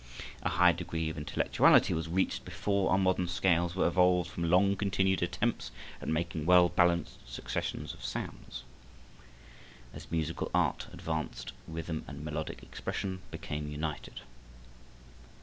A high degree of intellectuality was reached before our modern scales were evolved from long continued attempts at making well balanced successions of sounds. As musical art advanced rhythm and melodic expression became united.